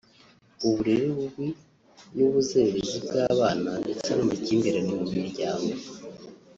uburere bubi n’ubuzererezi bw’abana ndetse n’amakimbirane mu miryango